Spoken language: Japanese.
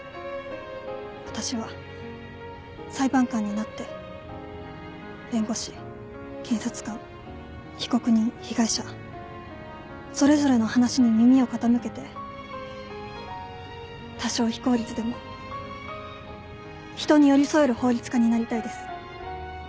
私は裁判官になって弁護士検察官被告人被害者それぞれの話に耳を傾けて多少非効率でも人に寄り添える法律家になりたいです。